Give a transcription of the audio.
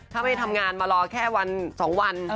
ถ้าไม่ทำงานมารอแค่วัน๒วัน